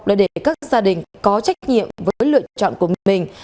là để các gia đình có trách nhiệm với lựa chọn của mình